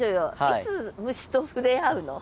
いつ虫と触れ合うの？